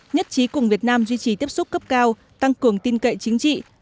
nhất trí cùng việt nam duy trì tiếp xúc cấp cao tăng cường tin cậy chính trị